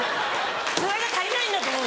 それが足りないんだと思う。